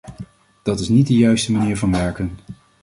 Dat is niet de juiste manier van werken.